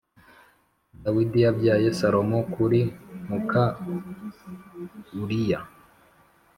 Dawidi yabyaye Salomo kuri muka Uriya